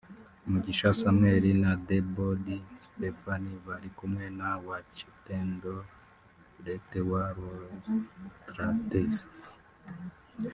Mugisha Samuel na De Bod Stefan bari kumwe na Wachtendorf Brett wa Lowestrates